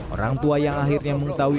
orang tua yang akhirnya mengetahui